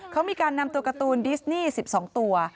เขามีการนำตัวการ์ตูนดิสนี่๑๒ตัว